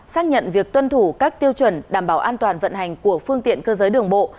xác nhận việc tuân thủ các tiêu chuẩn đảm bảo an toàn vận hành của phương tiện cơ giới đường bộ